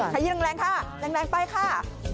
คะยี้แรงค่ะ